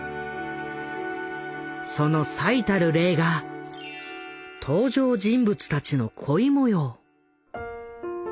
その最たる例が登場人物たちの恋もよう。